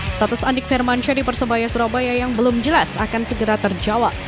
status andik firmansyah di persebaya surabaya yang belum jelas akan segera terjawab